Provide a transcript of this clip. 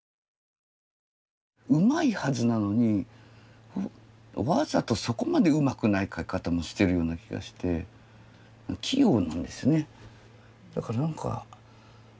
うまいはずなのにわざとそこまでうまくない描き方もしてるような気がして器用なんですね。